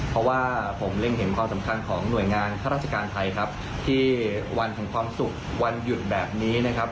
เพราะว่าผมเล็งเห็นความสำคัญของหน่วยงานข้าราชการไทยครับที่วันแห่งความสุขวันหยุดแบบนี้นะครับ